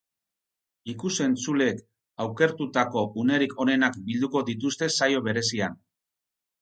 Ikus-entzuleek aukertutako unerik onenak bilduko dituzte saio berezian.